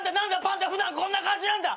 普段こんな感じなんだ」